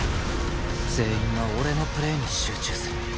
全員が俺のプレーに集中する